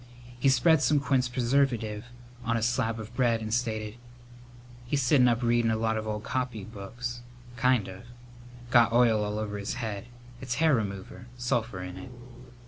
He spread some quince preserve on a slab of bread and stated, "He's sittin' up readin' a lot of old copybooks, kind of. Got oil all over his head. It's hair remover. Sulphur in it."